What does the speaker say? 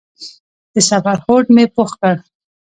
د سفر هوډ مې پوخ کړ.